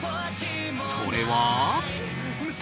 それは。